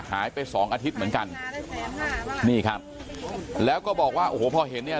หายไปสองอาทิตย์เหมือนกันนี่ครับแล้วก็บอกว่าโอ้โหพอเห็นเนี่ย